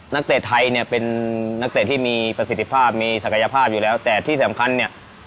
เตะไทยเนี่ยเป็นนักเตะที่มีประสิทธิภาพมีศักยภาพอยู่แล้วแต่ที่สำคัญเนี่ย